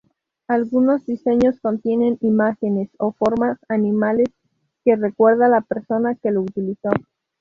Algunos diseños contienen imágenes o formas animales que recuerda la persona que lo utilizó.